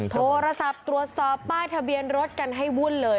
โทรศัพท์ตรวจสอบป้ายทะเบียนรถกันให้วุ่นเลย